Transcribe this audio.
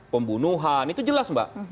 pembunuhan itu jelas mbak